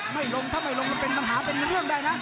ไม่ลงถ้าไม่ลงมันเป็นปัญหาเป็นเรื่องได้นะ